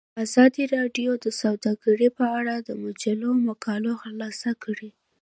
ازادي راډیو د سوداګري په اړه د مجلو مقالو خلاصه کړې.